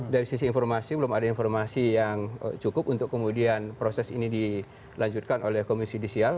dari sisi informasi belum ada informasi yang cukup untuk kemudian proses ini dilanjutkan oleh komisi judisial